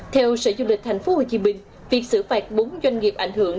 theo sở du lịch tp hcm việc xử phạt bốn doanh nghiệp ảnh hưởng